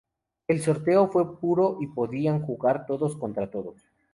El sorteo fue puro y podían jugar todos contra todos.